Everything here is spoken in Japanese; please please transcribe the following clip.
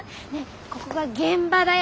ここが現場だよ